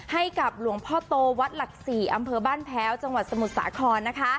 ให้กับหลวงพ่อโตวัดหลักศรีอำเภอบ้านแพ้วจังหวัดสมุทรสาคร